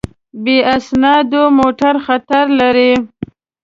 بې اسنادو موټر خطر لري.